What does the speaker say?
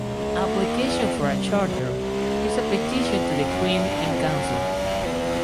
Application for a charter is a petition to the Queen-in-Council.